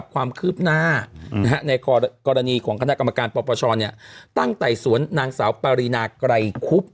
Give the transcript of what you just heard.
คืบหน้านะฮะในกรณีของคณะกรรมการปปชรเนี่ยตั้งแต่สวนนางสาวปรินาไกรคุบ